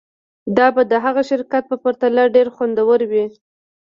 دا به د هغه شرکت په پرتله ډیر خوندور وي